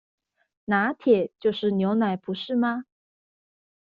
「拿鐵」就是牛奶不是嗎？